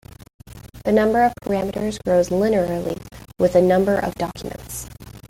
The number of parameters grows linearly with the number of documents.